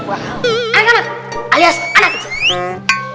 anak anak alias anak kecil